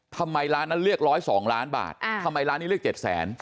ทำไมร้านนั้นเรียกร้อยสองล้านบาทอ่าทำไมร้านนี้เรียกเจ็ดแสน